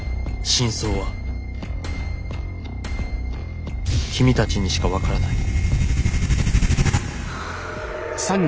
真相は君たちにしかわからない」。